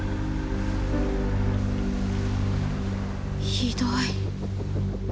ひどい。